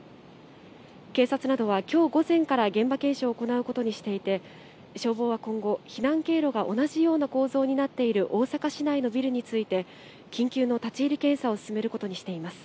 警察などはきょう午前から現場検証を行うことにしていて、消防は今後、避難経路が同じような構造になっている大阪市内のビルについて、緊急の立ち入り検査を進めることにしています。